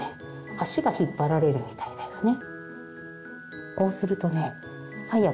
足が引っ張られるみたいだよね。